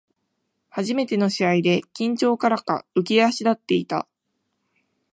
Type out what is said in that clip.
初めての試合で緊張からか浮き足立っていた